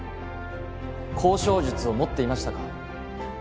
交渉術を持っていましたか？